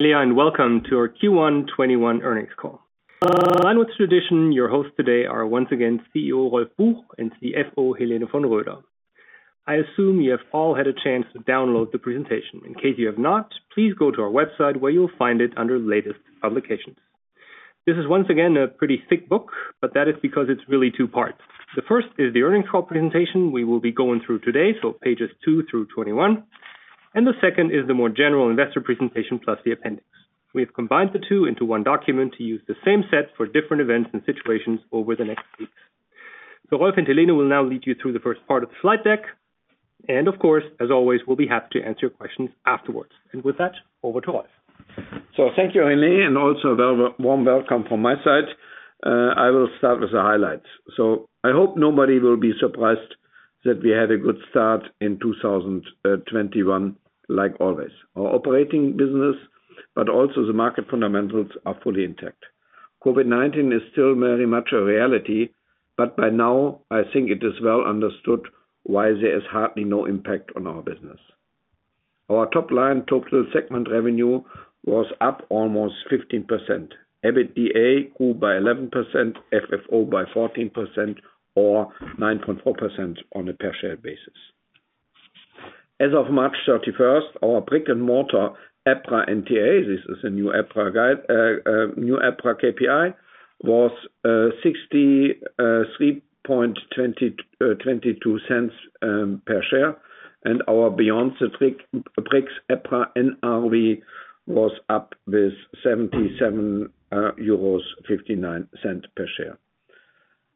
Hello, welcome to our Q1 '21 earnings call. In line with tradition, your hosts today are once again CEO Rolf Buch and CFO Helene von Roeder. I assume you have all had a chance to download the presentation. In case you have not, please go to our website where you'll find it under latest publications. This is once again a pretty thick book, but that is because it's really two parts. The first is the earnings call presentation we will be going through today, so pages two through 21. The second is the more general investor presentation plus the appendix. We have combined the two into one document to use the same set for different events and situations over the next weeks. Rolf and Helene will now lead you through the first part of the slide deck, and of course, as always, we'll be happy to answer your questions afterwards. With that, over to Rolf. Thank you, Helene, and also a warm welcome from my side. I will start with the highlights. I hope nobody will be surprised that we had a good start in 2021 like always. Our operating business, but also the market fundamentals are fully intact. COVID-19 is still very much a reality, but by now, I think it is well understood why there is hardly no impact on our business. Our top line total segment revenue was up almost 15%. EBITDA grew by 11%, FFO by 14% or 9.4% on a per share basis. As of March 31st, our brick-and-mortar EPRA NTA, this is a new EPRA KPI, was EUR 0.6322 per share, and our beyond bricks EPRA NRV was up with 77.59 euros per share.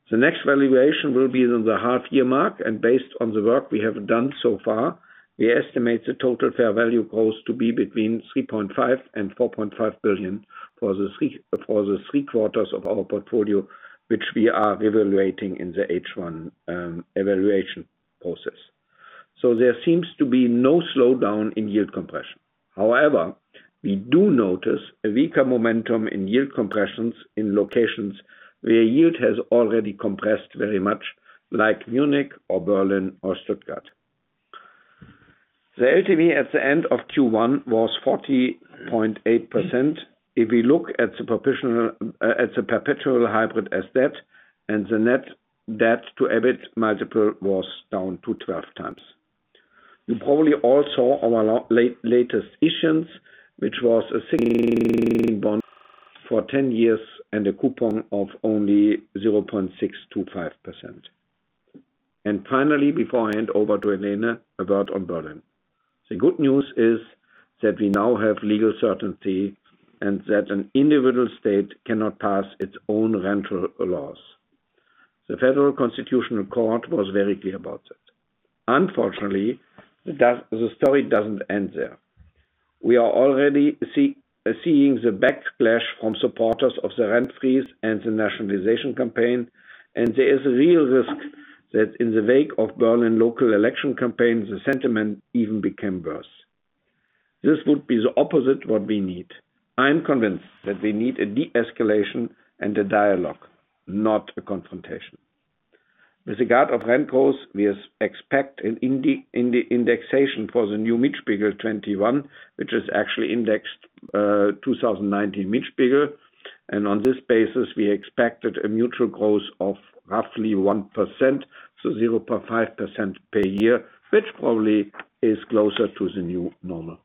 The next valuation will be in the half year mark. Based on the work we have done so far, we estimate the total fair value close to be between 3.5 and 4.5 billion for the three quarters of our portfolio, which we are evaluating in the first half evaluation process. There seems to be no slowdown in yield compression. However, we do notice a weaker momentum in yield compressions in locations where yield has already compressed very much, like Munich or Berlin or Stuttgart. The LTV at the end of Q1 was 40.8%. If we look at the perpetual hybrid as debt, the net debt to EBITDA multiple was down to 12x. You probably all saw our latest issuance, which was a bond for 10 years and a coupon of only 0.625%. Finally, before I hand over to Helene, a word on Berlin. The good news is that we now have legal certainty and that an individual state cannot pass its own rental laws. The Federal Constitutional Court was very clear about it. Unfortunately, the story doesn't end there. There is a real risk that in the wake of Berlin local election campaigns, the sentiment even became worse. This would be the opposite what we need. I am convinced that we need a de-escalation and a dialogue, not a confrontation. With regard of rent growth, we expect an indexation for the new Mietspiegel 2021, which is actually indexed 2019 Mietspiegel. On this basis, we expected a neutral growth of roughly one percent, so 0.5% per year, which probably is closer to the new normal.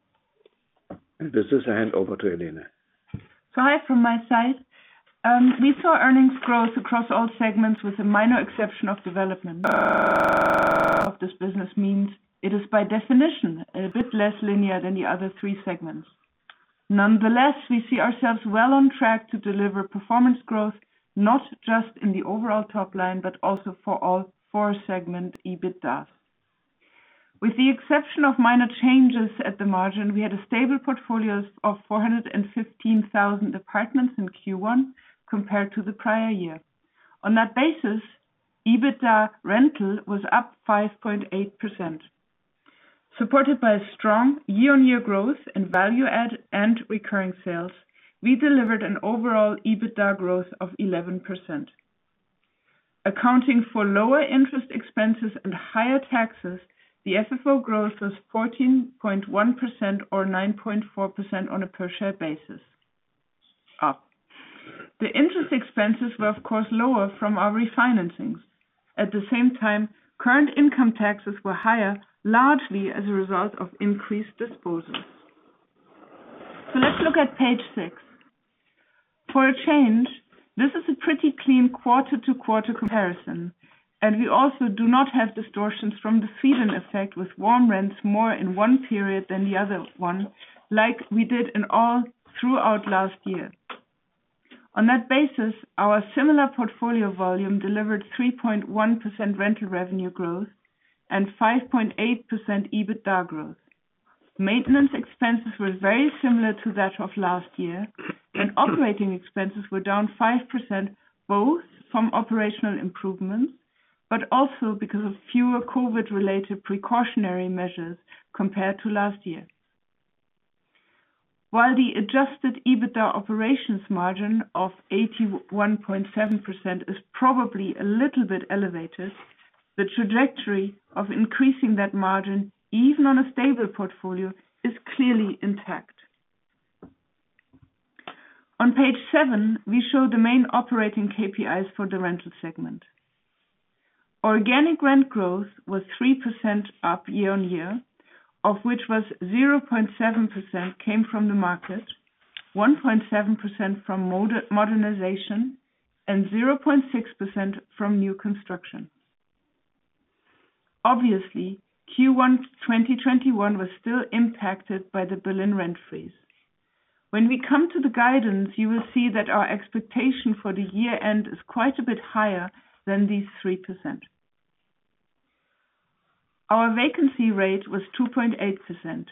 With this, I hand over to Helene. Hi from my side. We saw earnings growth across all segments with a minor exception of development. of this business means it is by definition a bit less linear than the other three segments. We see ourselves well on track to deliver performance growth, not just in the overall top line, but also for all four segment EBITDAs. With the exception of minor changes at the margin, we had a stable portfolio of 415,000 apartments in Q1 compared to the prior year. On that basis, EBITDA rental was up 5.8%. Supported by strong year-on-year growth in value add and recurring sales, we delivered an overall EBITDA growth of 11%. Accounting for lower interest expenses and higher taxes, the FFO growth was 14.1% or 9.4% on a per share basis. Up. The interest expenses were, of course, lower from our refinancings. At the same time, current income taxes were higher, largely as a result of increased disposals. Let's look at page six. For a change, this is a pretty clean quarter-to-quarter comparison, and we also do not have distortions from the season effect with warm rents more in one period than the other one, like we did in all throughout last year. On that basis, our similar portfolio volume delivered 3.1% rental revenue growth and 5.8% EBITDA growth. Maintenance expenses were very similar to that of last year, and operating expenses were down five year, both from operational improvements, but also because of fewer COVID-related precautionary measures compared to last year. While the adjusted EBITDA operations margin of 81.7% is probably a little bit elevated, the trajectory of increasing that margin, even on a stable portfolio, is clearly intact. On page seven, we show the main operating KPIs for the rental segment. Organic rent growth was three percent up year-over-year, of which was 0.7% came from the market, 1.7% from modernization, and 0.6% from new construction. Obviously, Q1 2021 was still impacted by the Berlin rent freeze. When we come to the guidance, you will see that our expectation for the year-end is quite a bit higher than these three percent. Our vacancy rate was 2.8%.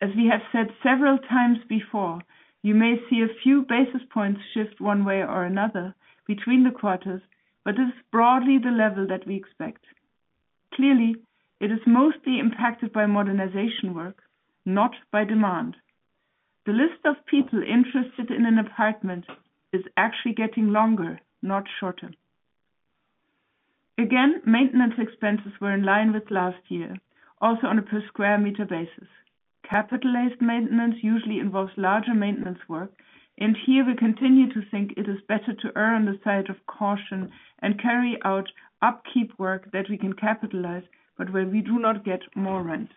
As we have said several times before, you may see a few basis points shift one way or another between the quarters, but this is broadly the level that we expect. Clearly, it is mostly impacted by modernization work, not by demand. The list of people interested in an apartment is actually getting longer, not shorter. Again, maintenance expenses were in line with last year, also on a per square meter basis. Capitalized maintenance usually involves larger maintenance work, and here we continue to think it is better to err on the side of caution and carry out upkeep work that we can capitalize, but where we do not get more rent.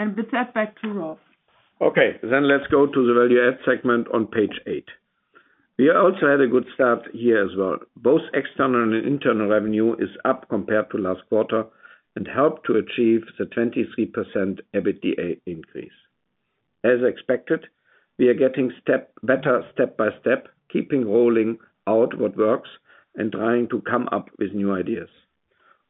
With that, back to Rolf. Let's go to the value add segment on page eight. We also had a good start here as well. Both external and internal revenue is up compared to last quarter, and helped to achieve the 23% EBITDA increase. As expected, we are getting better step by step, keeping rolling out what works, and trying to come up with new ideas.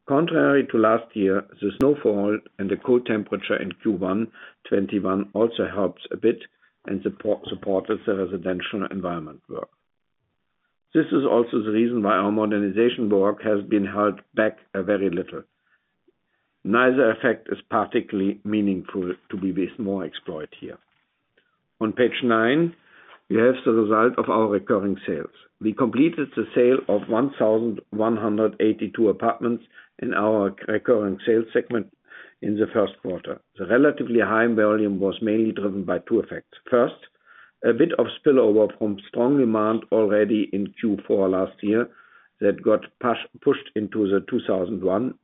Contrary to last year, the snowfall and the cold temperature in Q1 2021 also helps a bit and supported the residential environment work. This is also the reason why our modernization work has been held back very little. Neither effect is particularly meaningful to be more explored here. On page nine, we have the result of our recurring sales. We completed the sale of 1,182 apartments in our recurring sales segment in the Q1. The relatively high volume was mainly driven by two effects. First, a bit of spillover from strong demand already in Q4 last year that got pushed into the 2021.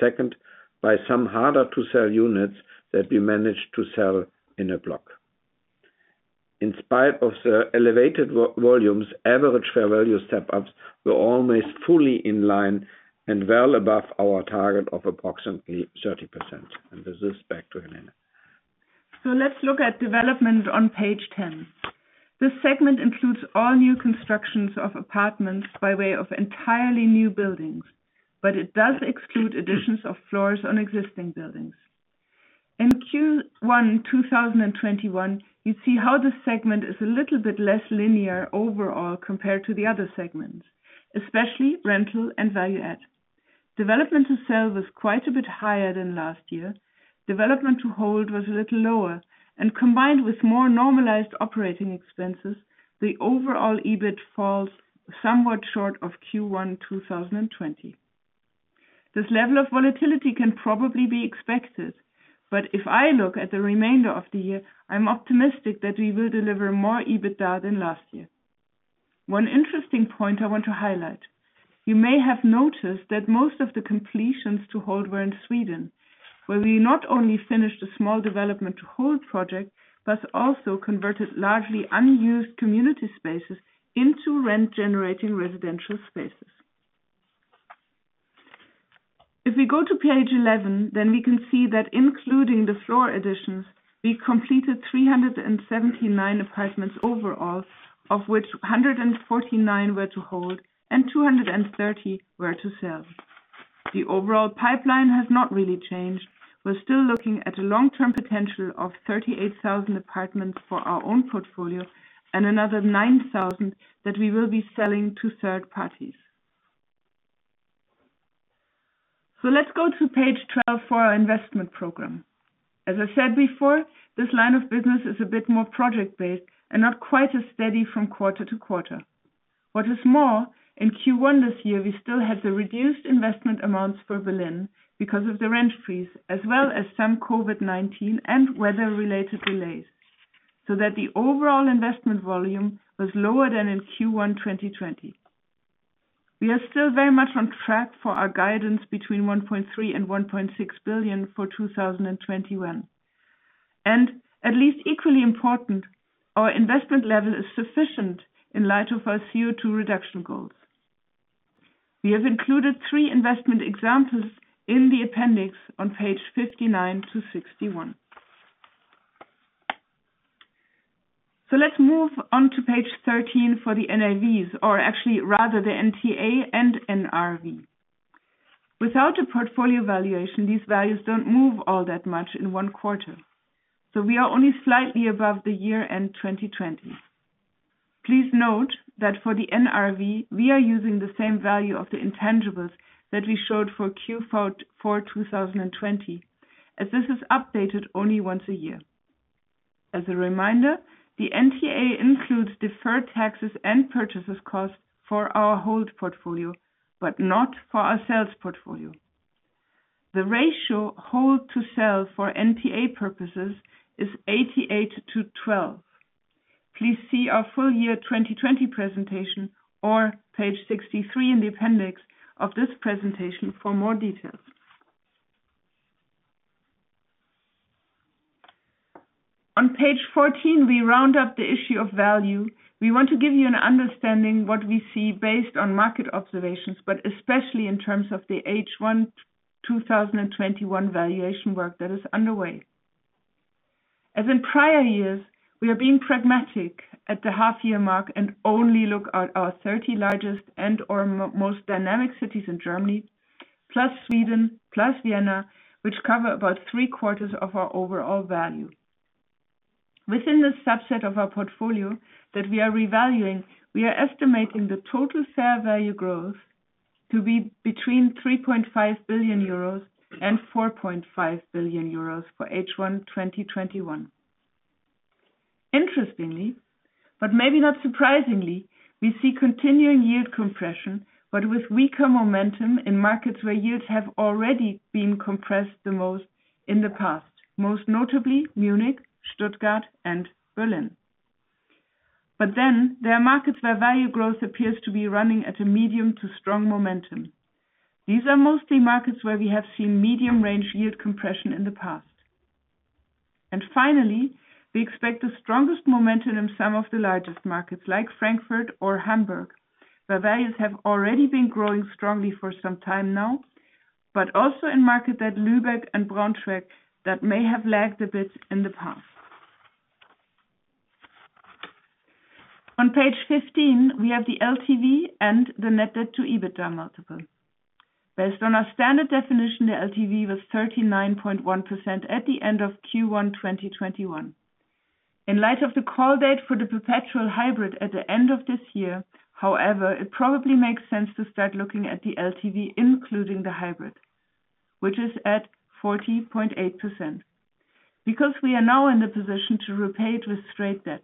Second, by some harder to sell units that we managed to sell in a block. In spite of the elevated volumes, average fair value step ups were almost fully in line and well above our target of approximately 30%. With this, back to Helene. Let's look at development on page 10. This segment includes all new constructions of apartments by way of entirely new buildings, but it does exclude additions of floors on existing buildings. In Q1 2021, you see how this segment is a little bit less linear overall compared to the other segments, especially rental and value add. Development to sell was quite a bit higher than last year. Development to hold was a little lower. Combined with more normalized operating expenses, the overall EBITDA falls somewhat short of Q1 2020. This level of volatility can probably be expected, but if I look at the remainder of the year, I'm optimistic that we will deliver more EBITDA than last year. One interesting point I want to highlight. You may have noticed that most of the completions to hold were in Sweden, where we not only finished a small development to hold project, but also converted largely unused community spaces into rent generating residential spaces. If we go to page 11, we can see that including the floor additions, we completed 379 apartments overall, of which 149 were to hold and 230 were to sell. The overall pipeline has not really changed. We're still looking at a long-term potential of 38,000 apartments for our own portfolio and another 9,000 that we will be selling to third parties. Let's go to page 12 for our investment program. As I said before, this line of business is a bit more project-based and not quite as steady from quarter to quarter. What is more, in Q1 this year, we still had the reduced investment amounts for Berlin because of the rent freeze, as well as some COVID-19 and weather related delays, so that the overall investment volume was lower than in Q1 2020. We are still very much on track for our guidance between 1.3 billion and 1.6 billion for 2021. At least equally important, our investment level is sufficient in light of our CO2 reduction goals. We have included three investment examples in the appendix on page 59-61. Let's move on to page 13 for the NAVs, or actually rather the NTA and NRV. Without a portfolio valuation, these values don't move all that much in one quarter. We are only slightly above the year-end 2020. Please note that for the NRV, we are using the same value of the intangibles that we showed for Q4 2020, as this is updated only once a year. As a reminder, the NTA includes deferred taxes and purchases costs for our hold portfolio, but not for our sales portfolio. The ratio hold to sell for NTA purposes is 88 to 12. Please see our full year 2020 presentation or page 63 in the appendix of this presentation for more details. On page 14, we round up the issue of value. We want to give you an understanding what we see based on market observations, but especially in terms of the H1 2021 valuation work that is underway. As in prior years, we are being pragmatic at the half year mark and only look at our 30 largest and/or most dynamic cities in Germany, plus Sweden, plus Vienna, which cover about three quarters of our overall value. Within this subset of our portfolio that we are revaluing, we are estimating the total fair value growth to be between 3.5 billion euros and 4.5 billion euros for H1 2021. Interestingly, but maybe not surprisingly, we see continuing yield compression, but with weaker momentum in markets where yields have already been compressed the most in the past, most notably Munich, Stuttgart, and Berlin. There are markets where value growth appears to be running at a medium to strong momentum. These are mostly markets where we have seen medium range yield compression in the past. Finally, we expect the strongest momentum in some of the largest markets like Frankfurt or Hamburg, where values have already been growing strongly for some time now, but also in market like Lübeck and Braunschweig that may have lagged a bit in the past. On page 15, we have the LTV and the net debt to EBITDA multiple. Based on our standard definition, the LTV was 39.1% at the end of Q1 2021. In light of the call date for the perpetual hybrid at the end of this year, however, it probably makes sense to start looking at the LTV, including the hybrid, which is at 40.8%, because we are now in the position to repay it with straight debt.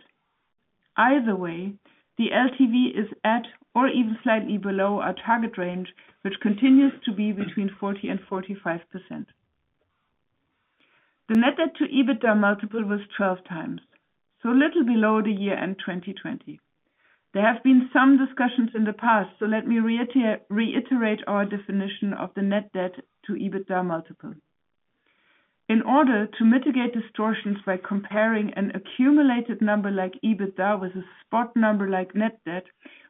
Either way, the LTV is at or even slightly below our target range, which continues to be between 40% and 45%. The net debt to EBITDA multiple was 12x. A little below the year-end 2020. There have been some discussions in the past. Let me reiterate our definition of the net debt to EBITDA multiple. In order to mitigate distortions by comparing an accumulated number like EBITDA with a spot number like net debt,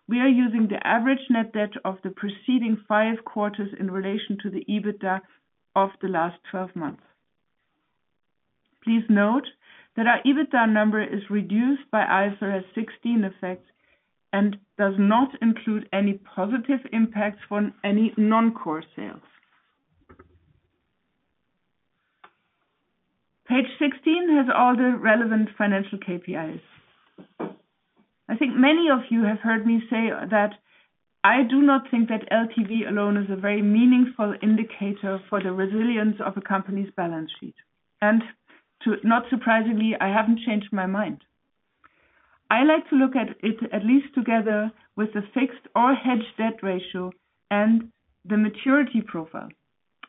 we are using the average net debt of the preceding five quarters in relation to the EBITDA of the last 12 months. Please note that our EBITDA number is reduced by IFRS 16 effects and does not include any positive impacts from any non-core sales. Page 16 has all the relevant financial KPIs. I think many of you have heard me say that I do not think that LTV alone is a very meaningful indicator for the resilience of a company's balance sheet. Not surprisingly, I haven't changed my mind. I like to look at it at least together with the fixed or hedged debt ratio and the maturity profile.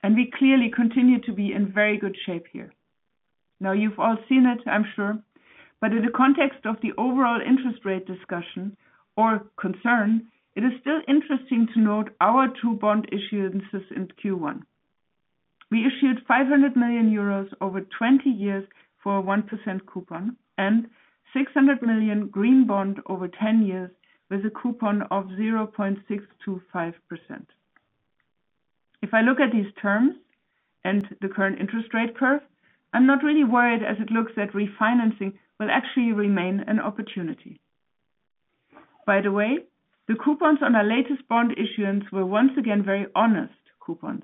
We clearly continue to be in very good shape here. Now you've all seen it, I'm sure, but in the context of the overall interest rate discussion or concern, it is still interesting to note our two bond issuances in Q1. We issued 500 million euros over 20 years for a one percent coupon and 600 million green bond over 10 years with a coupon of 0.625%. If I look at these terms and the current interest rate curve, I'm not really worried as it looks that refinancing will actually remain an opportunity. By the way, the coupons on our latest bond issuance were once again very honest coupons,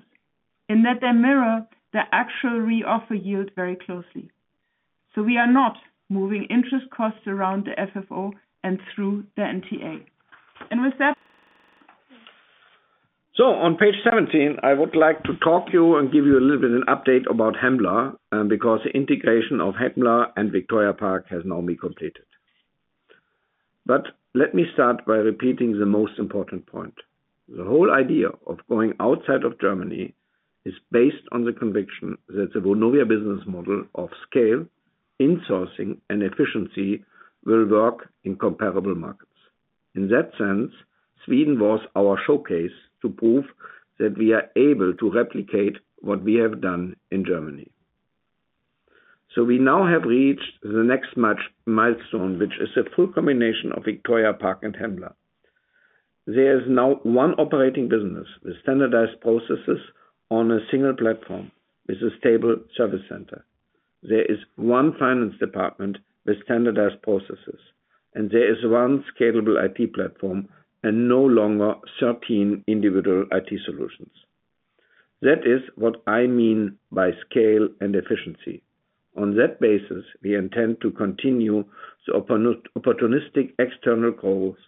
in that they mirror the actual reoffer yield very closely. We are not moving interest costs around the FFO and through the NTA. On page 17, I would like to talk to you and give you a little bit an update about Hembla, because the integration of Hembla and Victoria Park has now been completed. Let me start by repeating the most important point. The whole idea of going outside of Germany is based on the conviction that the Vonovia business model of scale, insourcing, and efficiency will work in comparable markets. In that sense, Sweden was our showcase to prove that we are able to replicate what we have done in Germany. We now have reached the next milestone, which is the full combination of Victoria Park and Hembla. There is now one operating business with standardized processes on a single platform with a stable service center. There is one finance department with standardized processes, and there is one scalable IT platform and no longer 13 individual IT solutions. That is what I mean by scale and efficiency. On that basis, we intend to continue the opportunistic external goals,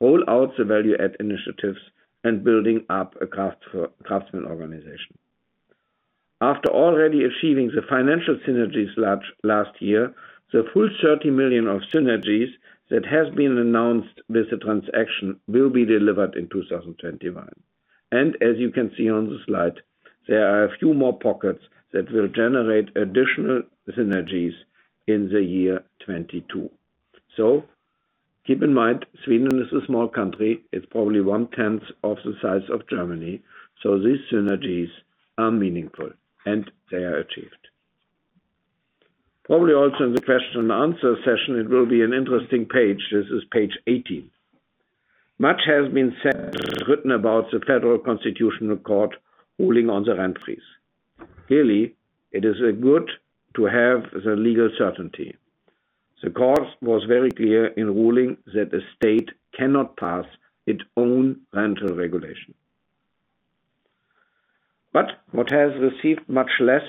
roll out the value add initiatives, and building up a craftsman organization. After already achieving the financial synergies last year, the full 30 million of synergies that has been announced with the transaction will be delivered in 2021. As you can see on the slide, there are a few more pockets that will generate additional synergies in the year 2022. Keep in mind, Sweden is a small country. It's probably one tenth of the size of Germany, so these synergies are meaningful and they are achieved. Probably also in the question and answer session, it will be an interesting page. This is page 18. Much has been said and written about the Federal Constitutional Court ruling on the rent freeze. Clearly, it is good to have the legal certainty. The court was very clear in ruling that the state cannot pass its own rental regulation. What has received much less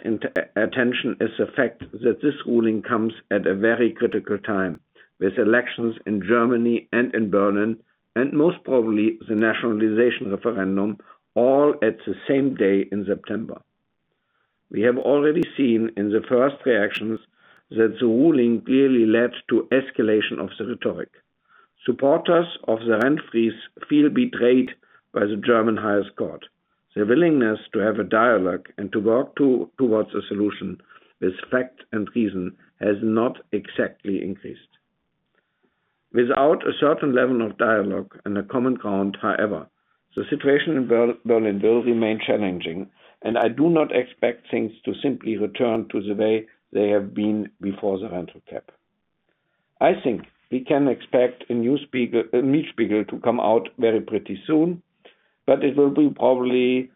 attention is the fact that this ruling comes at a very critical time, with elections in Germany and in Berlin, and most probably the nationalization referendum all at the same day in September. We have already seen in the first reactions that the ruling clearly led to escalation of the rhetoric. Supporters of the rent freeze feel betrayed by the German highest court. The willingness to have a dialogue and to work towards a solution with fact and reason has not exactly increased. Without a certain level of dialogue and a common ground, however, the situation in Berlin will remain challenging, and I do not expect things to simply return to the way they have been before the rental cap. I think we can expect a new Mietspiegel to come out very pretty soon, but it will be probably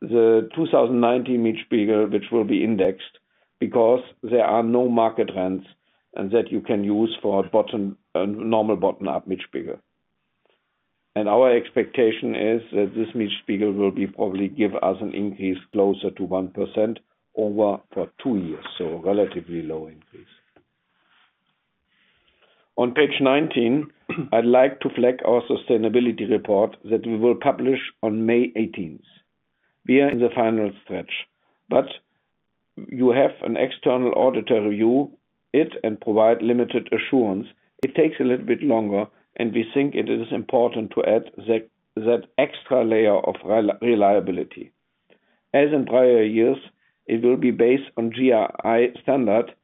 the 2019 Mietspiegel which will be indexed, because there are no market rents that you can use for a normal bottom-up Mietspiegel. Our expectation is that this Mietspiegel will probably give us an increase closer to one percent over two years, so a relatively low increase. On page 19, I'd like to flag our sustainability report that we will publish on May 18th. We are in the final stretch, but you have an external auditor review it and provide limited assurance. It takes a little bit longer, and we think it is important to add that extra layer of reliability. As in prior years, it will be based on GRI standard.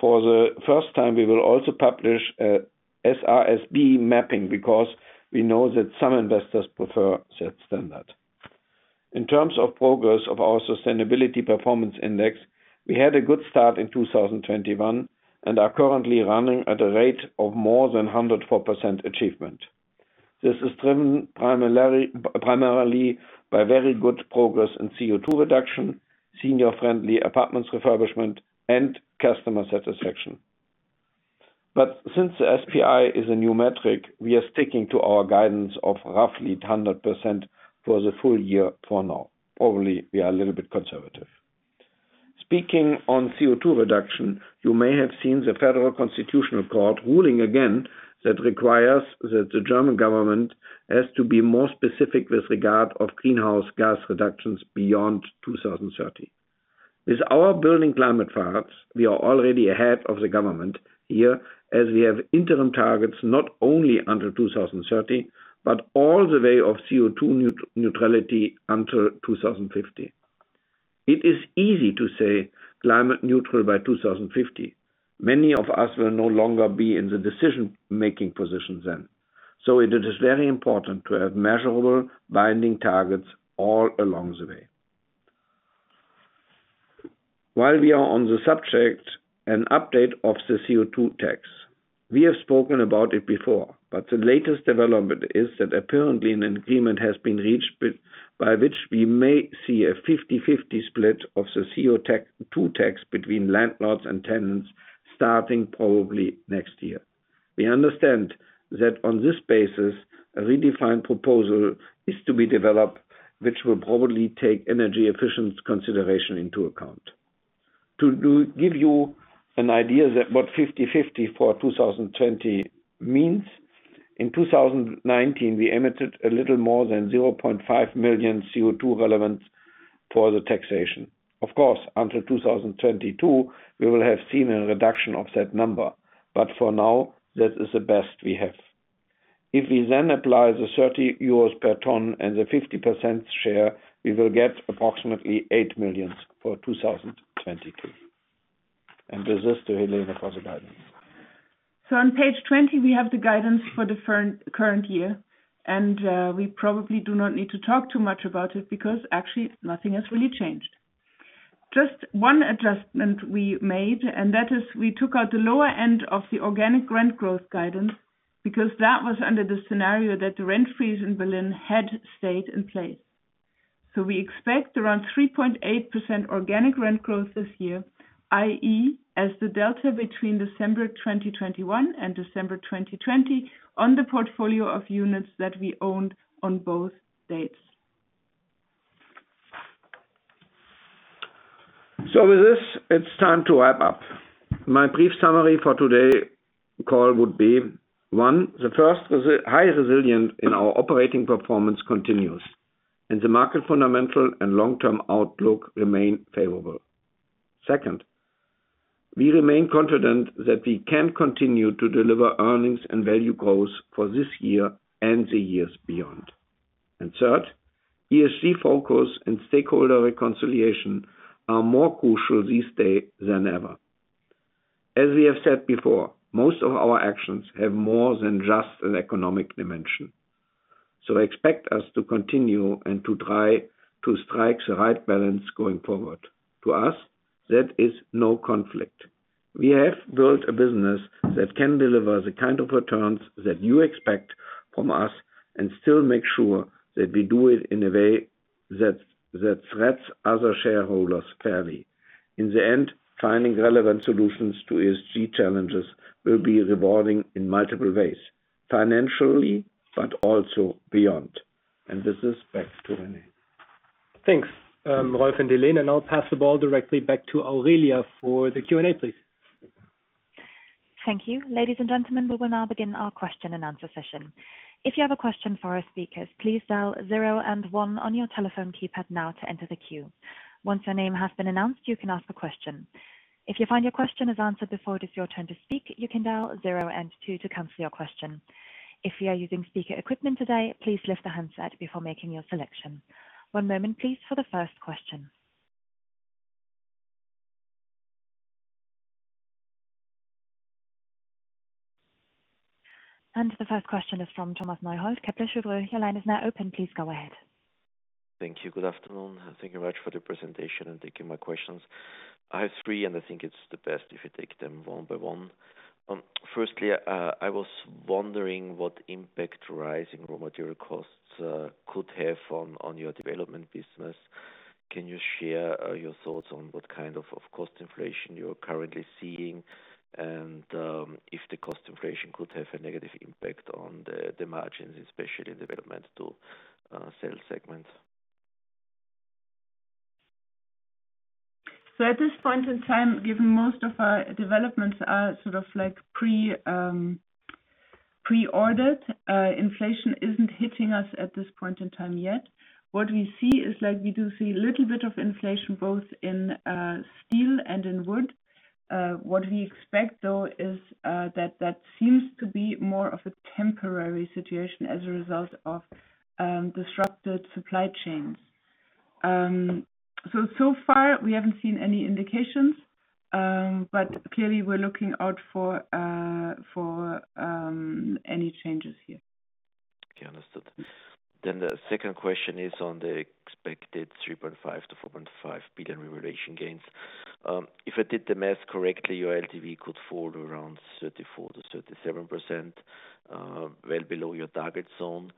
For the first time, we will also publish a SASB mapping because we know that some investors prefer that standard. In terms of progress of our sustainability performance index, we had a good start in 2021 and are currently running at a rate of more than 104% achievement. This is driven primarily by very good progress in CO2 reduction, senior-friendly apartments refurbishment, and customer satisfaction. Since the SPI is a new metric, we are sticking to our guidance of roughly 100% for the full year for now. Probably we are a little bit conservative. Speaking on CO2 reduction, you may have seen the Federal Constitutional Court ruling again that requires that the German government has to be more specific with regard of greenhouse gas reductions beyond 2030. With our building climate paths, we are already ahead of the government here as we have interim targets not only under 2030, but all the way of CO2 neutrality until 2050. It is easy to say climate neutral by 2050. Many of us will no longer be in the decision-making position then. It is very important to have measurable binding targets all along the way. While we are on the subject, an update of the CO2 tax. We have spoken about it before, the latest development is that apparently an agreement has been reached by which we may see a 50/50 split of the CO2 tax between landlords and tenants starting probably next year. We understand that on this basis, a redefined proposal is to be developed, which will probably take energy efficiency consideration into account. To give you an idea that what 50/50 for 2020 means. In 2019, we emitted a little more than 0.5 million CO2 relevant for the taxation. Of course, until 2022, we will have seen a reduction of that number. For now, this is the best we have. If we then apply the 30 euros per ton and the 50% share, we will get approximately 8 million for 2022. This is to Helene for the guidance. On page 20, we have the guidance for the current year, and we probably do not need to talk too much about it because actually nothing has really changed. One adjustment we made, and that is we took out the lower end of the organic rent growth guidance because that was under the scenario that the rent freeze in Berlin had stayed in place. We expect around 3.8% organic rent growth this year, i.e., as the delta between December 2021 and December 2020 on the portfolio of units that we owned on both dates. With this, it's time to wrap up. My brief summary for today call would be, one, the first high resilience in our operating performance continues, and the market fundamental and long-term outlook remain favorable. Second, we remain confident that we can continue to deliver earnings and value growth for this year and the years beyond. Third, ESG focus and stakeholder reconciliation are more crucial these days than ever. As we have said before, most of our actions have more than just an economic dimension. Expect us to continue and to try to strike the right balance going forward. To us, that is no conflict. We have built a business that can deliver the kind of returns that you expect from us, and still make sure that we do it in a way that treats other shareholders fairly. In the end, finding relevant solutions to ESG challenges will be rewarding in multiple ways, financially, but also beyond. With this, back to Rene. Thanks, Rolf and Helene, and I'll pass the ball directly back to Aurelia for the Q&A, please. Thank you. Ladies and gentlemen, we will now begin our question and answer session. If you have a question for our speakers, please dial zero and one on your telephone keypad now to enter the queue. Once your name has been announced, you can ask a question. If you find your question is answered before it is your turn to speak, you can dial zero and two to cancel your question. If you are using speaker equipment today, please lift the handset before making your selection. One moment, please, for the first question. The first question is from Thomas Neuhold, Kepler Cheuvreux. Your line is now open. Please go ahead. Thank you. Good afternoon. Thank you very much for the presentation and taking my questions. I have three, and I think it's the best if you take them one by one. Firstly, I was wondering what impact rising raw material costs could have on your development business. Can you share your thoughts on what kind of cost inflation you're currently seeing, and if the cost inflation could have a negative impact on the margins, especially in development to sales segments? At this point in time, given most of our developments are sort of pre-ordered, inflation isn't hitting us at this point in time yet. What we see is we do see a little bit of inflation both in steel and in wood. What we expect, though, is that seems to be more of a temporary situation as a result of disrupted supply chains. So far we haven't seen any indications, but clearly we're looking out for any changes here. Okay, understood. The second question is on the expected 3.5 billion-4.5 billion revaluation gains. If I did the math correctly, your LTV could fall to around 34%-37%, well below your target zone.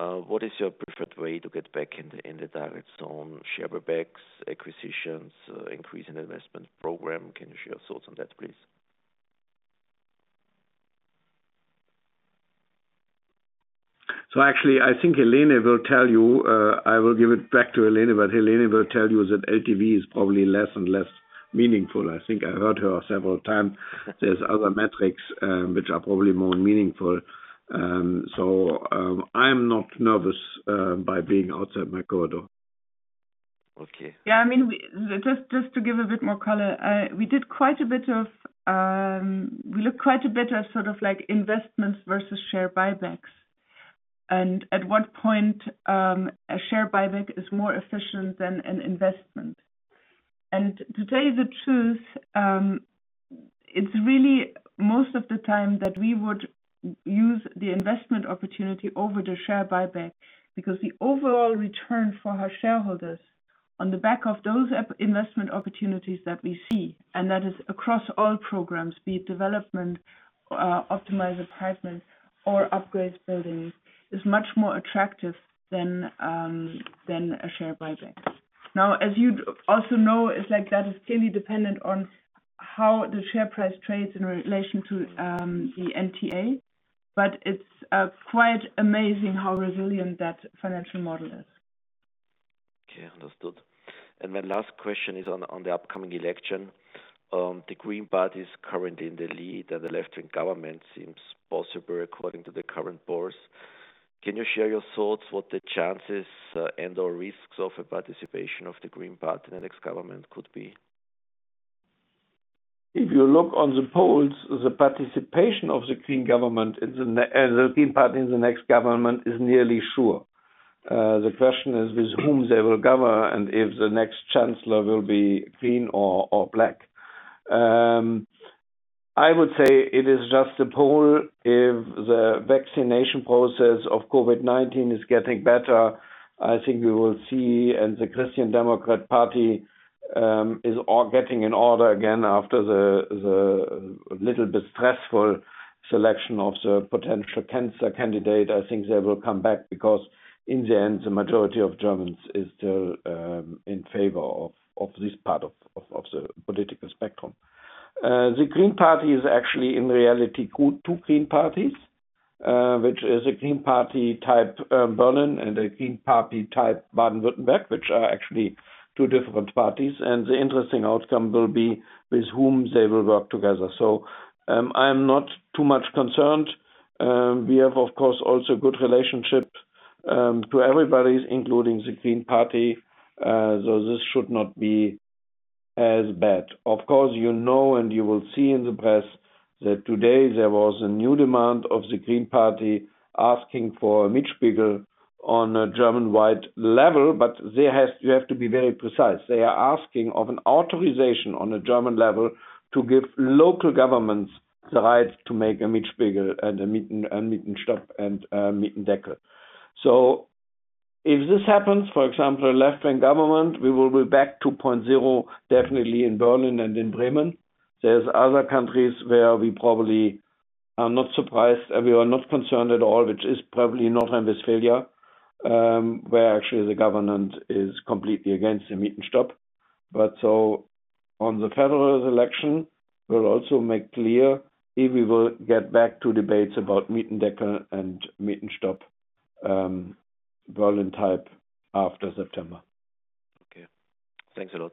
What is your preferred way to get back in the target zone? Share buybacks, acquisitions, increase in investment program? Can you share your thoughts on that, please? Actually, I think Helene will tell you. I will give it back to Helene, but Helene will tell you that LTV is probably less and less meaningful. I think I heard her several times. There's other metrics which are probably more meaningful. I'm not nervous by being outside my corridor. Okay. Yeah, just to give a bit more color. We looked quite a bit at investments versus share buybacks, and at what point a share buyback is more efficient than an investment. To tell you the truth, it's really most of the time that we would use the investment opportunity over the share buyback because the overall return for our shareholders on the back of those investment opportunities that we see, and that is across all programs, be it development, optimized apartments, or upgrades buildings, is much more attractive than a share buyback. Now, as you also know, that is clearly dependent on how the share price trades in relation to the NTA, but it's quite amazing how resilient that financial model is. Okay, understood. My last question is on the upcoming election. The Green Party is currently in the lead, and the left-wing government seems possible according to the current polls. Can you share your thoughts what the chances and/or risks of a participation of the Green Party in the next government could be? If you look on the polls, the participation of the Green Party in the next government is nearly sure. The question is with whom they will govern and if the next chancellor will be green or black. I would say it is just a poll. If the vaccination process of COVID-19 is getting better, I think we will see, and the Christian Democrat Party is getting in order again after the little bit stressful selection of the potential candidate. I think they will come back because in the end, the majority of Germans is still in favor of this part of the political spectrum. The Green Party is actually in reality two green parties, which is a Green Party type Berlin and a Green Party type Baden-Württemberg, which are actually two different parties. The interesting outcome will be with whom they will work together. I am not too much concerned. We have, of course, also a good relationship to everybody, including the Green Party. This should not be as bad. Of course, you know, you will see in the press that today there was a new demand of the Green Party asking for a Mietspiegel on a German-wide level. You have to be very precise. They are asking of an authorization on a German level to give local governments the right to make a Mietspiegel and a Mieterstrom and a Mietendeckel. If this happens, for example, a left-wing government, we will be back to point zero definitely in Berlin and in Bremen. There's other countries where we probably are not surprised and we are not concerned at all, which is probably North Rhine-Westphalia, where actually the government is completely against the Mieterstrom. On the federal election, we'll also make clear if we will get back to debates about Mietendeckel and Mieterstrom Berlin type after September. Okay. Thanks a lot.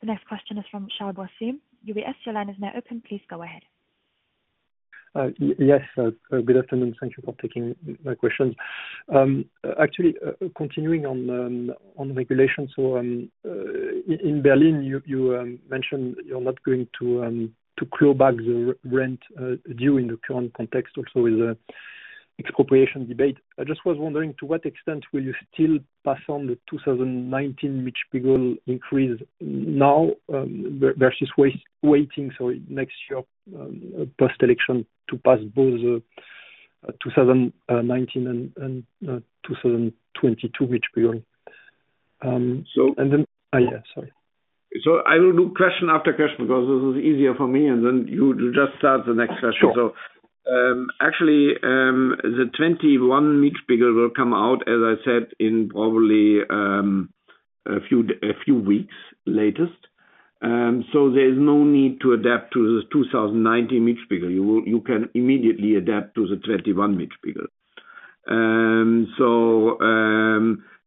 The next question is from Charles Boissier. UBS. Yes. Good afternoon. Thank you for taking my questions. Actually, continuing on regulation. In Berlin, you mentioned you're not going to claw back the rent due in the current context, also with the expropriation debate. I just was wondering, to what extent will you still pass on the 2019 Mietspiegel increase now, versus waiting till next year, post-election to pass both the 2019 and 2022 Mietspiegel. So- Yeah. Sorry. I will do question after question because this is easier for me, and then you just start the next question. Sure. Actually, the 2021 Mietspiegel will come out, as I said, in probably a few weeks latest. There is no need to adapt to the 2019 Mietspiegel. You can immediately adapt to the 2021 Mietspiegel.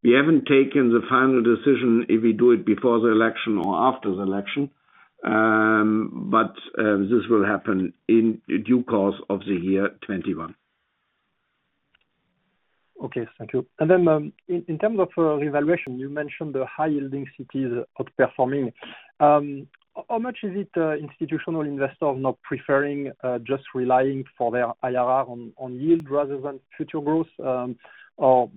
We haven't taken the final decision if we do it before the election or after the election. This will happen in due course of the year 2021. Okay. Thank you. In terms of revaluation, you mentioned the high-yielding cities outperforming. How much is it institutional investors not preferring, just relying for their IRR on yield rather than future growth? To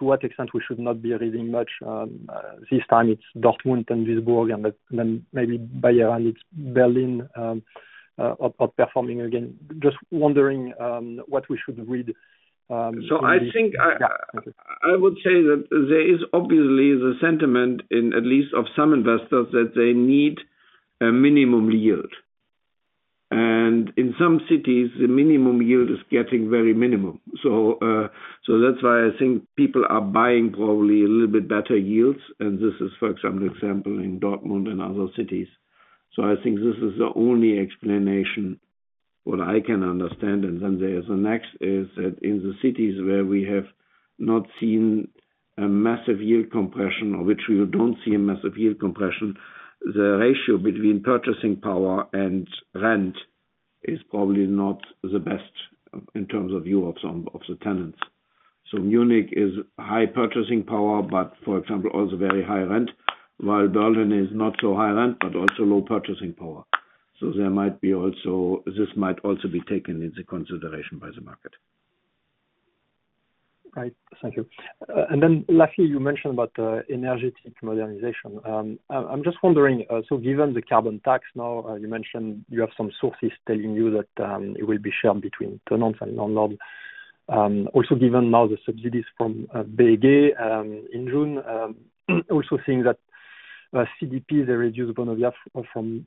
what extent we should not be reading much this time it's Dortmund and Duisburg and then maybe Bayern, it's Berlin outperforming again. Just wondering what we should read. I think I would say that there is obviously the sentiment in at least of some investors that they need a minimum yield. In some cities, the minimum yield is getting very minimum. That's why I think people are buying probably a little bit better yields, and this is, for example, in Dortmund and other cities. I think this is the only explanation what I can understand. Then there is the next is that in the cities where we have not seen a massive yield compression, or which we don't see a massive yield compression, the ratio between purchasing power and rent is probably not the best in terms of view of some of the tenants. Munich is high purchasing power, but for example, also very high rent, while Berlin is not so high rent, but also low purchasing power. This might also be taken into consideration by the market. Right. Thank you. Lastly, you mentioned about energetic modernization. I'm just wondering, given the carbon tax now, you mentioned you have some sources telling you that it will be shared between tenants and landlords. Given now the subsidies from BEG in June, seeing that CDP, they reduced Vonovia from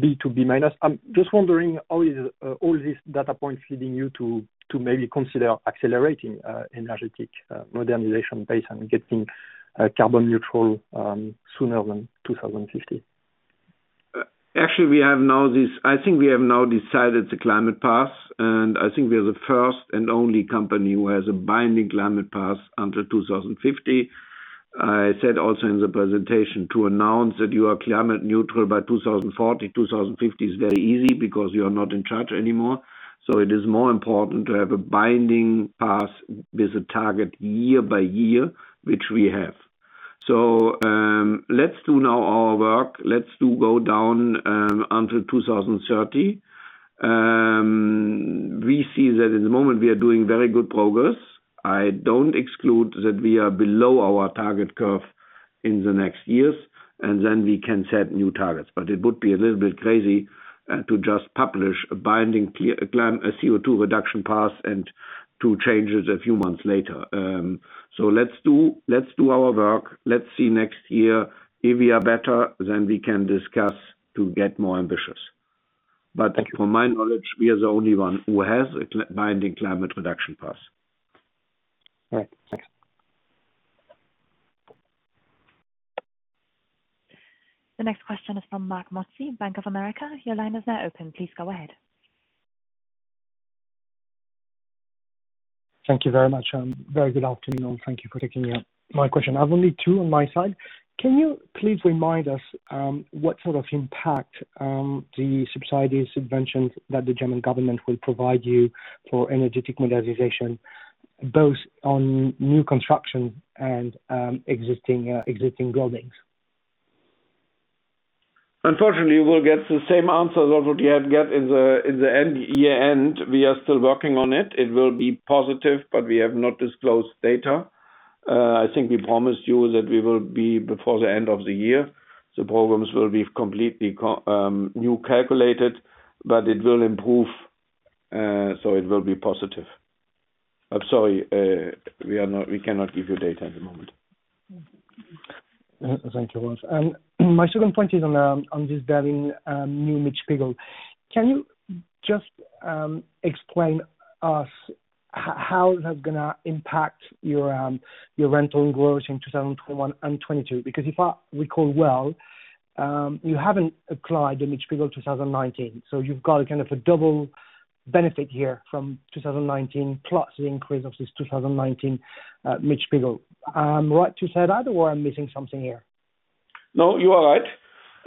B to B minus. I'm just wondering, how is all these data points leading you to maybe consider accelerating energetic modernization based on getting carbon neutral sooner than 2050? Actually, I think we have now decided the climate path, and I think we are the first and only company who has a binding climate path until 2050. I said also in the presentation to announce that you are climate neutral by 2040, 2050 is very easy because you are not in charge anymore. It is more important to have a binding path with a target year by year, which we have. Let's do now our work. Let's do go down until 2030. We see that at the moment we are doing very good progress. I don't exclude that we are below our target curve in the next years, and then we can set new targets. It would be a little bit crazy, to just publish a binding CO2 reduction path and to change it a few months later. Let's do our work. Let's see next year. If we are better, then we can discuss to get more ambitious. Thank you. To my knowledge, we are the only one who has a binding climate reduction path. Right. Thanks. The next question is from Marc Mozzi, Bank of America. Your line is now open. Please go ahead. Thank you very much. Very good afternoon, and thank you for taking my question. I have only two on my side. Can you please remind us what sort of impact the subsidies, subventions that the German government will provide you for energetic modernization, both on new construction and existing buildings? Unfortunately, you will get the same answer that what you have get in the end year end. We are still working on it. It will be positive, but we have not disclosed data. I think we promised you that we will be before the end of the year. The programs will be completely new calculated, but it will improve, so it will be positive. I'm sorry. We cannot give you data at the moment. Thank you, Rolf. My second point is on this Berlin new Mietspiegel. Can you just explain us how that's going to impact your rental growth in 2021 and 2022? If I recall well, you haven't applied the Mietspiegel 2019. You've got a kind of a double benefit here from 2019 plus the increase of this 2019 Mietspiegel. Am I right to say that, or am I missing something here? No, you are right.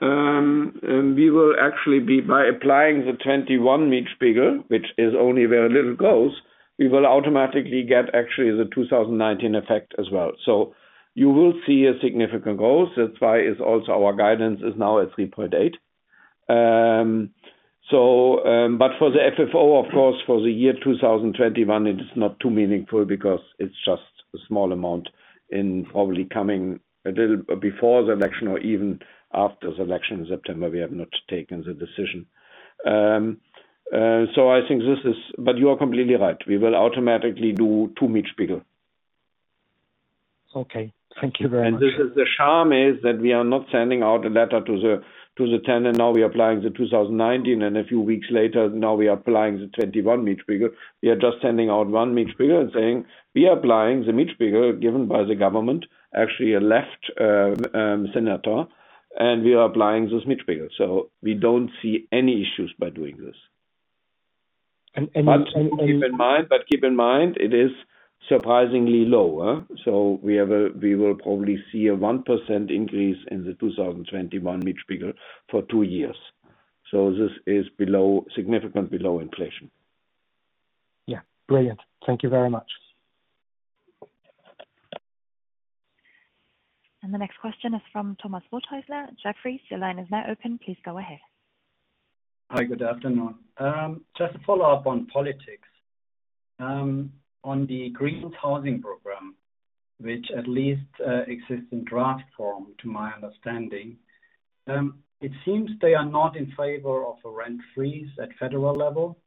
We will actually be by applying the 2021 Mietspiegel, which is only very little growth, we will automatically get actually the 2019 effect as well. You will see a significant growth. That is why is also our guidance is now at 3.8. For the FFO, of course, for the year 2021, it is not too meaningful because it is just a small amount in probably coming a little before the election or even after the election in September. We have not taken the decision. You are completely right. We will automatically do two Mietspiegel. Okay. Thank you very much. The charm is that we are not sending out a letter to the tenant. We are applying the 2019, and a few weeks later, now we are applying the 2021 Mietspiegel. We are just sending out one Mietspiegel and saying, we are applying the Mietspiegel given by the government, actually a left senator, and we are applying this Mietspiegel. We don't see any issues by doing this. And- Keep in mind, it is surprisingly low. We will probably see a one percent increase in the 2021 Mietspiegel for two years. This is significantly below inflation. Yeah. Brilliant. Thank you very much. The next question is from Thomas Rothausler, Jefferies. Your line is now open. Please go ahead. Hi, good afternoon. Just to follow up on politics. On the Greens housing program, which at least exists in draft form, to my understanding. It seems they are not in favor of a rent freeze at federal level,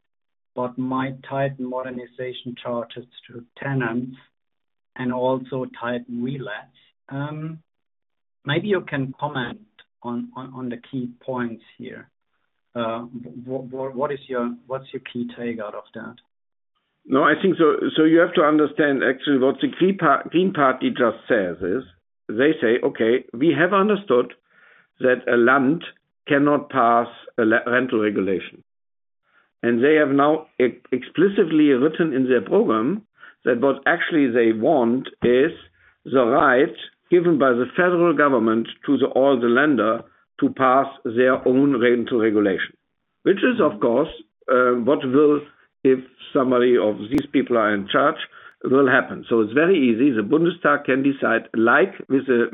but might tighten modernization charges to tenants and also tighten relapse. Maybe you can comment on the key points here. What's your key take out of that? I think you have to understand actually what the Green Party just says is, they say, okay, we have understood that a Land cannot pass a rental regulation. They have now explicitly written in their program that what actually they want is the right given by the federal government to all the Länder to pass their own rental regulation. Which is, of course, what will, if somebody of these people are in charge, will happen. It's very easy. The Bundestag can decide, like with the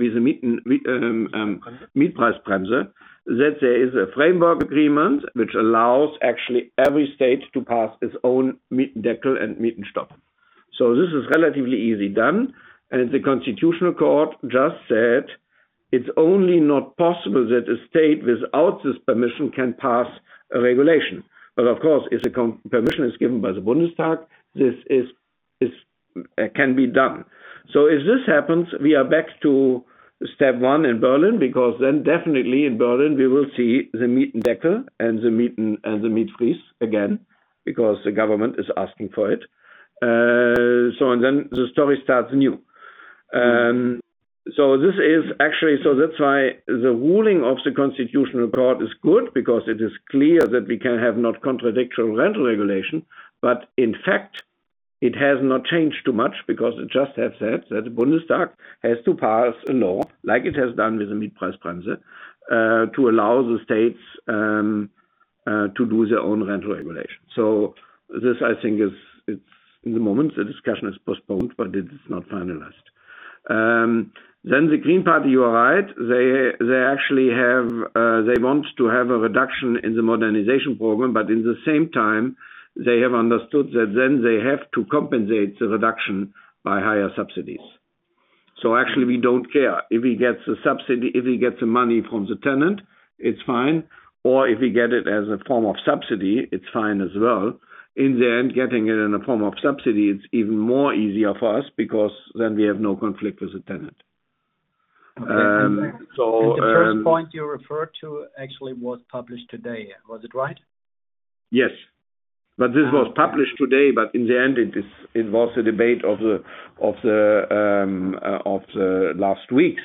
Mietpreisbremse, that there is a framework agreement which allows actually every state to pass its own Mietendeckel and MietenStopp. This is relatively easy done, and the Constitutional Court just said it's only not possible that a state without this permission can pass a regulation. Of course, if the permission is given by the Bundestag, this can be done. If this happens, we are back to step one in Berlin, because then definitely in Berlin we will see the Mietendeckel and the Mietenstopp again, because the government is asking for it. The story starts new. That's why the ruling of the Federal Constitutional Court is good because it is clear that we can have not contradictoral rental regulation. In fact, it has not changed too much because it just has said that the Bundestag has to pass a law like it has done with the Mietpreisbremse, to allow the states to do their own rental regulation. This, I think it's in the moment, the discussion is postponed, but it's not finalized. The Green Party, you are right. They want to have a reduction in the modernization program, but in the same time, they have understood that then they have to compensate the reduction by higher subsidies. Actually, we don't care. If we get the money from the tenant, it's fine. If we get it as a form of subsidy, it's fine as well. In the end, getting it in a form of subsidy, it's even more easier for us because then we have no conflict with the tenant. Okay. The first point you referred to actually was published today. Was it right? Yes. This was published today. In the end, it was a debate of the last weeks.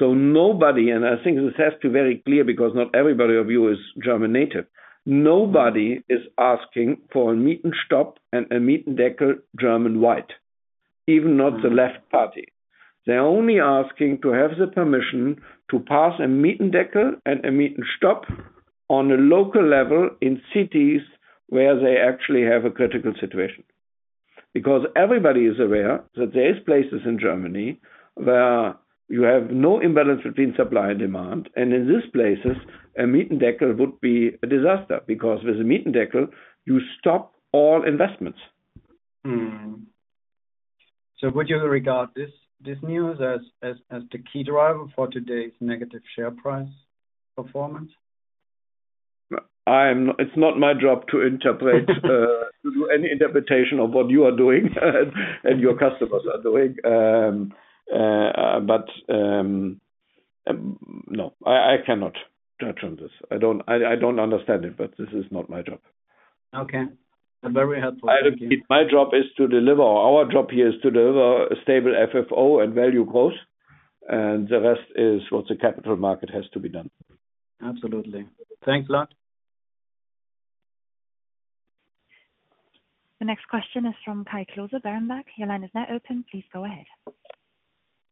Nobody, and I think this has to be very clear because not everybody of you is German native. Nobody is asking for a Mietenstopp and a Mietendeckel German-wide, even not Die Linke. They are only asking to have the permission to pass a Mietendeckel and a Mietenstopp on a local level in cities where they actually have a critical situation. Everybody is aware that there is places in Germany where you have no imbalance between supply and demand, and in these places, a Mietendeckel would be a disaster, because with a Mietendeckel, you stop all investments. Would you regard this news as the key driver for today's negative share price performance? It's not my job to do any interpretation of what you are doing and your customers are doing. No, I cannot touch on this. I don't understand it, but this is not my job. Okay. Very helpful. Thank you. Our job here is to deliver a stable FFO and value growth, and the rest is what the capital market has to be done. Absolutely. Thanks a lot. The next question is from Kai Klose, Berenberg. Your line is now open. Please go ahead.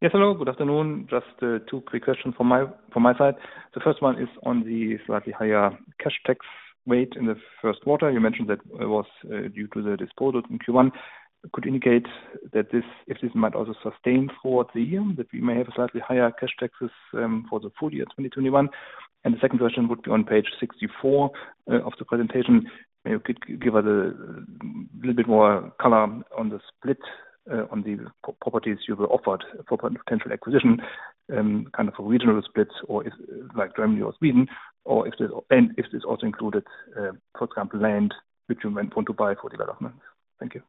Yes, hello. Good afternoon. Just two quick questions from my side. The first one is on the slightly higher cash tax rate in the first quarter. You mentioned that it was due to the disposal in Q1. Could indicate if this might also sustain throughout the year, that we may have slightly higher cash taxes for the full year 2021. The second question would be on page 64 of the presentation. Could you give us a little bit more color on the split on the properties you were offered for potential acquisition, kind of regional splits, like Germany or Sweden, and if this also included, for example, land, which you might want to buy for development. Thank you.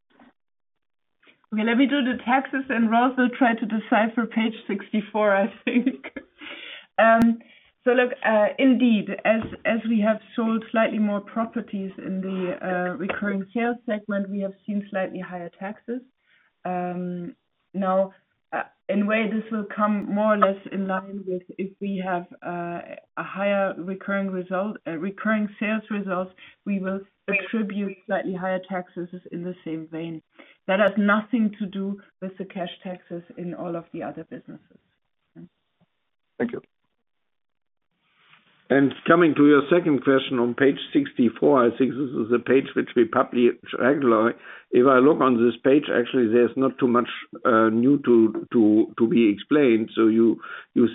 Okay, let me do the taxes and Rolf try to decipher page 64, I think. Look, indeed, as we have sold slightly more properties in the recurring sales segment, we have seen slightly higher taxes. Now, in a way, this will come more or less in line with if we have a higher recurring sales results, we will attribute slightly higher taxes in the same vein. That has nothing to do with the cash taxes in all of the other businesses. Thank you. Coming to your second question on page 64, I think this is a page which we publish regularly. If I look on this page, actually, there is not too much new to be explained. You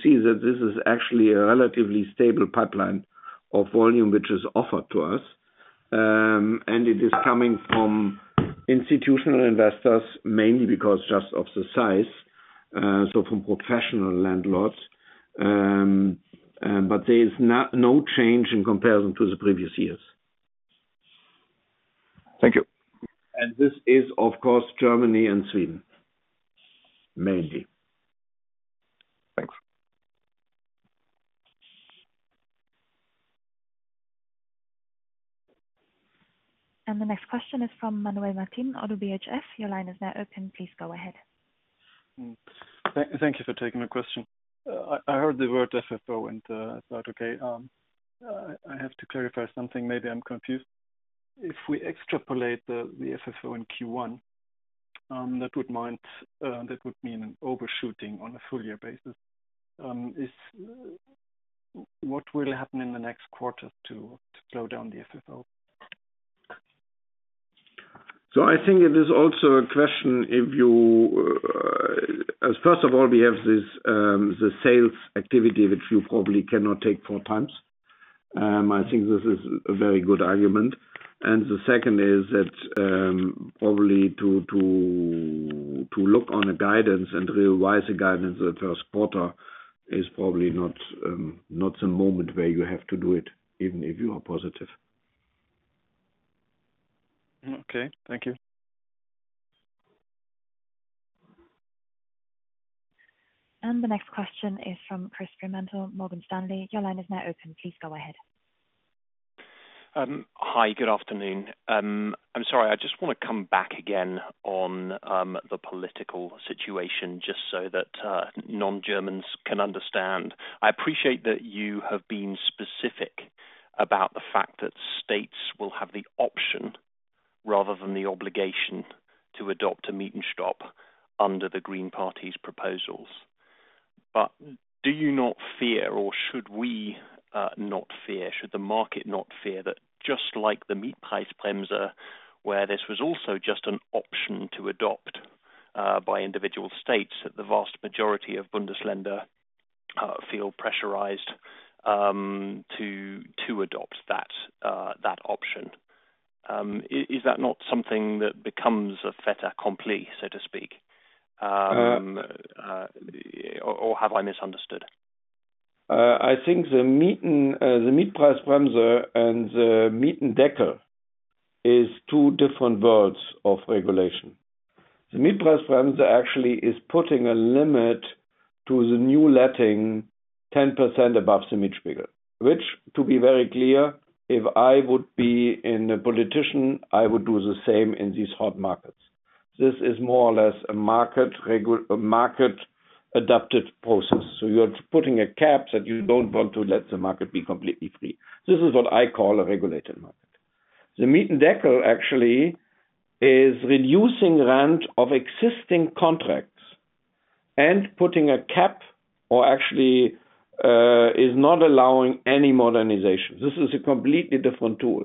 see that this is actually a relatively stable pipeline of volume which is offered to us, and it is coming from institutional investors, mainly because just of the size, from professional landlords. There is no change in comparison to the previous years. Thank you. This is, of course, Germany and Sweden, mainly. Thanks. The next question is from Manuel Martin, ODDO BHF. Your line is now open. Please go ahead. Thank you for taking the question. I heard the word FFO, and I thought, okay, I have to clarify something. Maybe I am confused. If we extrapolate the FFO in Q1, that would mean an overshooting on a full year basis. What will happen in the next quarter to slow down the FFO? I think it is also a question First of all, we have the sales activity, which you probably cannot take four times. I think this is a very good argument. The second is that probably to look on a guidance and revise the guidance the Q1 is probably not the moment where you have to do it, even if you are positive. Okay. Thank you. The next question is from Chris Fremantle, Morgan Stanley. Your line is now open. Please go ahead. Hi, good afternoon. I'm sorry, I just want to come back again on the political situation just so that non-Germans can understand. I appreciate that you have been specific about the fact that states will have the option rather than the obligation to adopt a Mietenstopp under the Green Party's proposals. Do you not fear, or should we not fear, should the market not fear that just like the Mietpreisbremse, where this was also just an option to adopt by individual states, that the vast majority of Bundesländer feel pressurized to adopt that option. Is that not something that becomes a fait accompli, so to speak? Have I misunderstood? I think the Mietpreisbremse and the Mietendeckel is two different worlds of regulation. The Mietpreisbremse actually is putting a limit to the new letting 10% above the Mietspiegel. Which, to be very clear, if I would be a politician, I would do the same in these hot markets. This is more or less a market-adapted process. You are putting a cap that you don't want to let the market be completely free. This is what I call a regulated market. The Mietendeckel actually is reducing rent of existing contracts and putting a cap, or actually is not allowing any modernization. This is a completely different tool.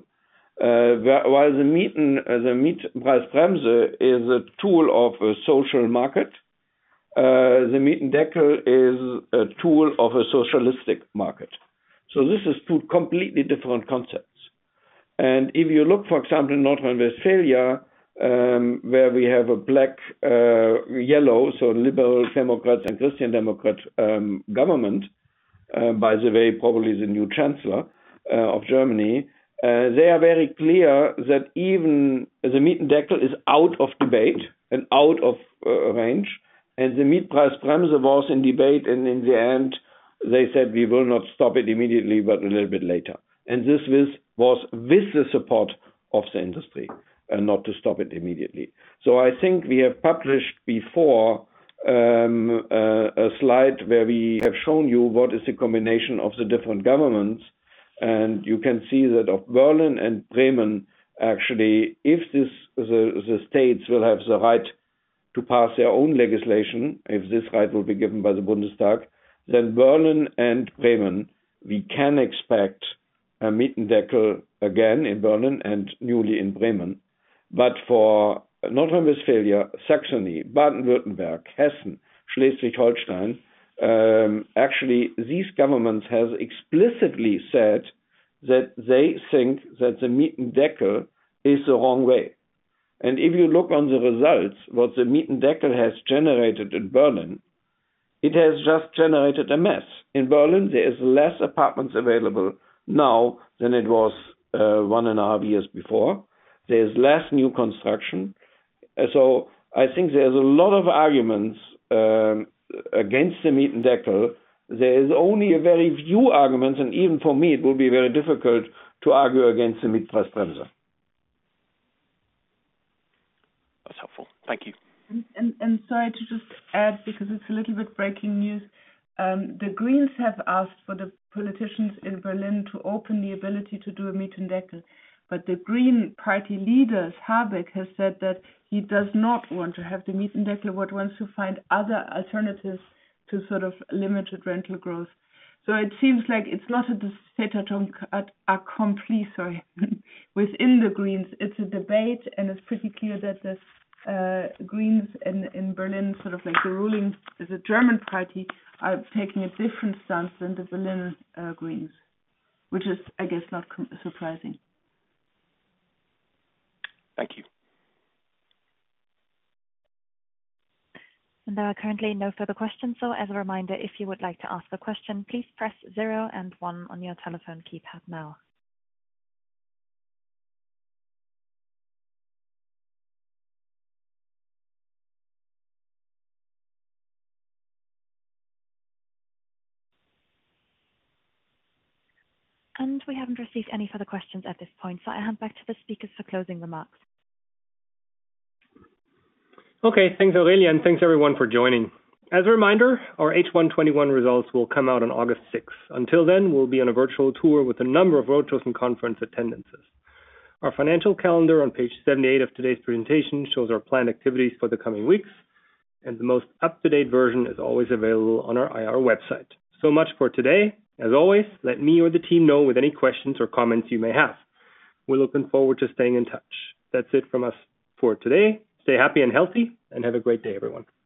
While the Mietpreisbremse is a tool of a social market, the Mietendeckel is a tool of a socialistic market. This is two completely different concepts. If you look, for example, in North Rhine-Westphalia, where we have a black, yellow, so Liberal Democrats and Christian Democrat government, by the way, probably the new Chancellor of Germany. They are very clear that even the Mietendeckel is out of debate and out of range, and the Mietpreisbremse was in debate, and in the end, they said, "We will not stop it immediately, but a little bit later." This was with the support of the industry, not to stop it immediately. I think we have published before a slide where we have shown you what is the combination of the different governments, and you can see that of Berlin and Bremen, actually, if the states will have the right to pass their own legislation, if this right will be given by the Bundestag, then Berlin and Bremen, we can expect a Mietendeckel again in Berlin and newly in Bremen. For North Rhine-Westphalia, Saxony, Baden-Württemberg, Hessen, Schleswig-Holstein, actually, these governments have explicitly said that they think that the Mietendeckel is the wrong way. If you look on the results, what the Mietendeckel has generated in Berlin, it has just generated a mess. In Berlin, there is less apartments available now than it was one and a half years before. There's less new construction. I think there's a lot of arguments against the Mietendeckel. There is only a very few arguments, and even for me, it will be very difficult to argue against the Mietpreisbremse. That's helpful. Thank you. Sorry to just add, because it's a little bit breaking news. The Greens have asked for the politicians in Berlin to open the ability to do a Mietendeckel, but the Green Party Leader, Habeck, has said that he does not want to have the Mietendeckel, but wants to find other alternatives to limited rental growth. It seems like it's not a fait accompli, sorry, within the Greens. It's a debate, and it's pretty clear that the Greens in Berlin, sort of like the ruling, the German party, are taking a different stance than the Berlin Greens, which is, I guess, not surprising. Thank you. There are currently no further questions, so as a reminder, if you would like to ask a question, please press 0 and one on your telephone keypad now. We haven't received any further questions at this point, so I hand back to the speakers for closing remarks. Okay, thanks, Aurelia, and thanks, everyone, for joining. As a reminder, our H1 2021 results will come out on August 6th. Until then, we'll be on a virtual tour with a number of roadshows and conference attendances. Our financial calendar on page 78 of today's presentation shows our planned activities for the coming weeks. The most up-to-date version is always available on our IR website. Much for today. As always, let me or the team know with any questions or comments you may have. We're looking forward to staying in touch. That's it from us for today. Stay happy and healthy. Have a great day, everyone.